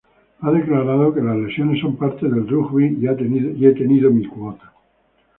Ha declarado que "Las lesiones son parte del rugby y he tenido mi cuota.